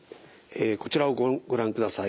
こちらをご覧ください。